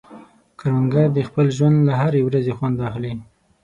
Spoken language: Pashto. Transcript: کروندګر د خپل ژوند له هرې ورځې خوند اخلي